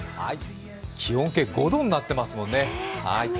気温計５度になっていますもんね。